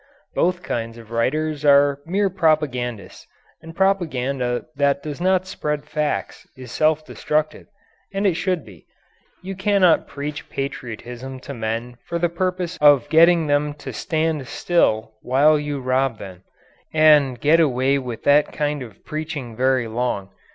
Both kinds of writers are mere propagandists. And propaganda that does not spread facts is self destructive. And it should be. You cannot preach patriotism to men for the purpose of getting them to stand still while you rob them and get away with that kind of preaching very long.